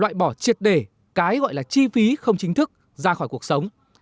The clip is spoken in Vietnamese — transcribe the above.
loại bỏ triệt đề cái gọi là chi phí không chính thức ra khỏi cuộc sống